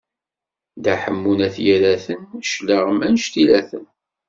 Dda Ḥemmu n At Yiraten, claɣem annect ila-ten!